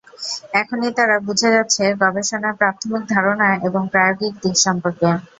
এখনই তারা বুঝে যাচ্ছে গবেষণার প্রাথমিক ধারণা এবং প্রায়োগিক দিক সম্পর্কে।